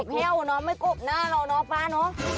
กบแห้วน้องไม่กบหน้าเราน้องป๊าน้อง